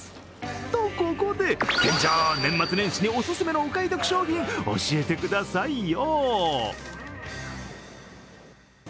と、ここで店長、年末年始のお勧めのお買い得商品、教えてくださいよ。